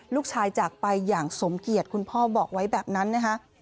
ลูกชายจากไปอย่างสมเกียจคุณพ่อบอกไว้แบบนั้นนะคะ